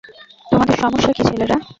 তোমাদের সমস্যা কী ছেলেরা?